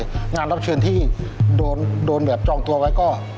งานรับเชิญที่โดนแบบจองตัวไว้ก็